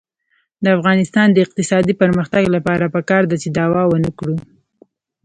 د افغانستان د اقتصادي پرمختګ لپاره پکار ده چې دعوه ونکړو.